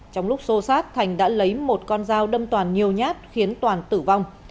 trong lúc xô xát thành đã lấy một con dao đâm toàn nhiều nhát khiến toàn tử vong